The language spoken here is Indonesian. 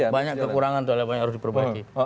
banyak kekurangan banyak yang harus diperbaiki